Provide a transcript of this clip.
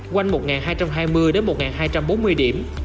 quanh một nghìn hai trăm hai mươi đến một nghìn hai trăm bốn mươi điểm